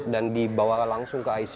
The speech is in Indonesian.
dan dibawa langsung ke icu